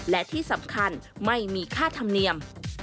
และที่สำคัญไม่มีค่าธรรมเนียม